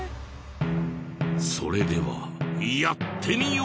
それではやってみよう！